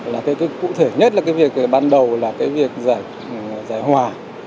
là cái cụ thể nhất là cái việc ban đầu là cái việc giải hòa